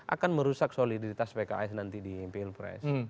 akan merusak soliditas pks nanti di pilpres